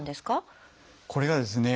これがですね